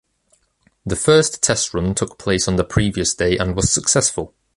The first test run took place on the previous day and was successful.